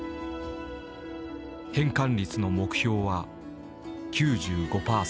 変換率の目標は９５％。